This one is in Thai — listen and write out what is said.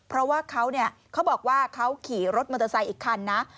เพราะว่าเขาเนี่ยเขาบอกว่าเขาขี่รถมอเตอร์ไซค์อีกคันนะ